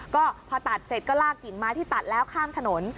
ก็พอตัดเสร็จก็ลากกิ่งไม้ที่ตัดแล้วข้ามถนน